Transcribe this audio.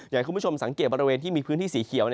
อยากให้คุณผู้ชมสังเกตบริเวณที่มีพื้นที่สีเขียว